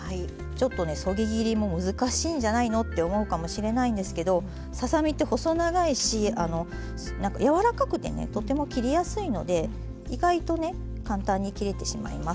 ちょっとねそぎ切りも難しいんじゃないのって思うかもしれないんですけどささ身って細長いし柔らかくてねとても切りやすいので意外とね簡単に切れてしまいます。